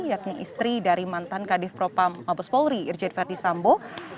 yakni istri dari mantan kadif propam mabes polri irjen verdi sambo